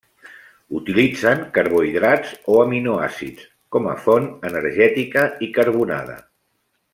Utilitzen carbohidrats o aminoàcids com a font energètica i carbonada.